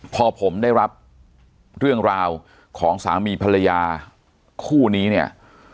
พอผมได้รับเรื่องราวของสามีภรรยาคู่นี้เนี่ย